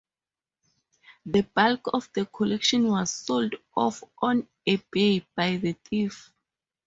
The bulk of the collection was sold off on eBay by the thief.